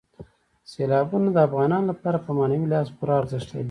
سیلابونه د افغانانو لپاره په معنوي لحاظ پوره ارزښت لري.